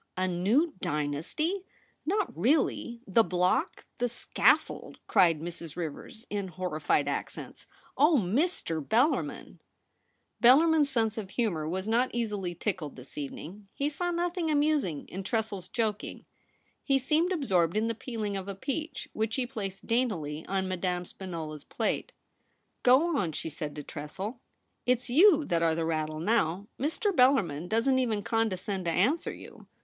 ' A new dynasty ! not really ? The block ! the scaffold !' cried Mrs. Rivers in horrified accents. * Oh, Mr. Bellarmin !' Bellarmin's sense of humour was not easily tickled this evening. He saw nothing amusing in Tressel's joking. He seemed absorbed in the peeling of a peach, which he placed daintily on Madame Spinola's plate. ' Go on,' said she to Tressel ;* Ws you that are the rattle now. Mr. Bellarmin doesn't even condescend to answer you.